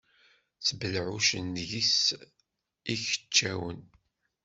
Ttbelɛuεucen deg-s ikeččawen.